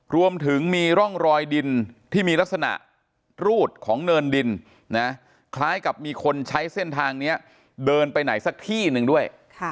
รวมถึงมีร่องรอยดินที่มีลักษณะรูดของเนินดินนะคล้ายกับมีคนใช้เส้นทางนี้เดินไปไหนสักที่หนึ่งด้วย